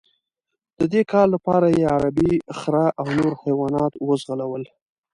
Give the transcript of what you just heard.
د دې کار لپاره یې عربي خره او نور حیوانات وځغلول.